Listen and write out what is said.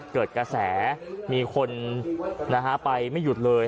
เกิดกระแสมีคนไปไม่หยุดเลย